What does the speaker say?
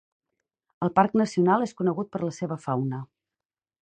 El parc nacional és conegut per la seva fauna.